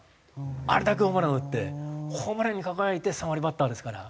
あれだけホームラン打ってホームラン王に輝いて３割バッターですから。